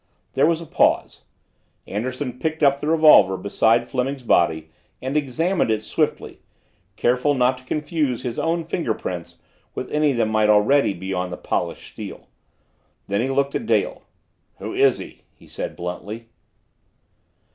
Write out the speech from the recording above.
There was a pause. Anderson picked up the revolver beside Fleming's body and examined it swiftly, careful not to confuse his own fingerprints with any that might already be on the polished steel. Then he looked at Dale. "Who is he?" he said bluntly.